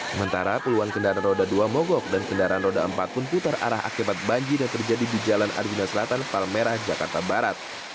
sementara puluhan kendaraan roda dua mogok dan kendaraan roda empat pun putar arah akibat banjir yang terjadi di jalan arjuna selatan palmerah jakarta barat